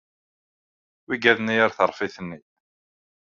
Wwḍent ɣer tṛeffit-nni.